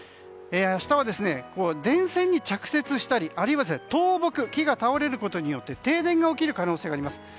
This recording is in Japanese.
明日は電線に着雪したりあるいは倒木木が倒れることによって停電が起きる可能性があります。